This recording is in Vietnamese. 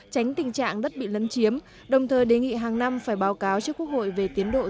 tránh tình trạng đất bị lấn chiếm đồng thời đề nghị hàng năm phải báo cáo cho quốc hội về tiến độ dự án này